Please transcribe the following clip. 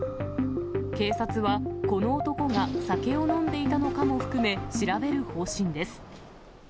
警察はこの男が酒を飲んでいたのかも含め、調べる方針です。